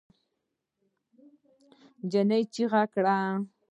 نجلۍ چیغه کړه.